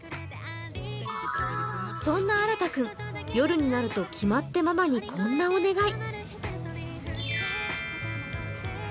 そんなあらた君、夜になると決まってママにこんなお願い。